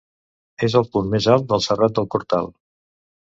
És el punt més alt del Serrat del Cortal.